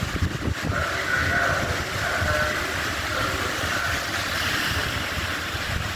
Perquè no hi ha la voluntat de fer-ho, de voler assumir compromisos.